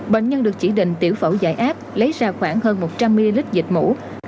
bệnh nhân được chỉ định tiểu phẫu dài áp lấy ra khoảng hơn một trăm linh ml dịch mũ